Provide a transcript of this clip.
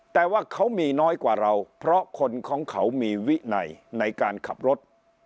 แต่ว่าเขามีน้อยกว่าเราเพราะคนของเขามีวินัยในการขับรถ